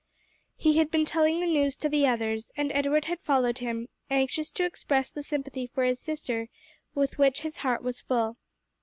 He had been telling the news to the others, and Edward had followed him, anxious to express the sympathy for his sister with which his heart was full.